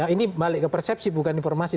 ini balik ke persepsi bukan informasi